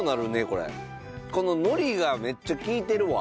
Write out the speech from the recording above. この海苔がめっちゃ利いてるわ。